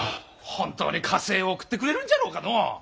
本当に加勢を送ってくれるんじゃろうかのう。